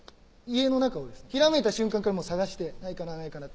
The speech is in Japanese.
家の中をひらめいた瞬間から探して「ないかなないかな」